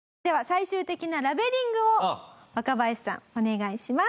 最終的なラベリングを若林さんお願いします。